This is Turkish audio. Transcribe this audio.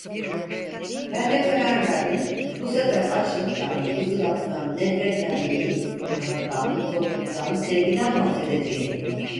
Ben de karar verdim, bu sefer açlıktan, ızdıraptan, nefretten değil… rahattan, tokluktan, sevgiden bahsedeceğim.